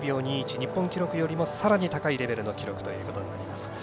日本記録よりもさらに高いレベルの記録とのなります。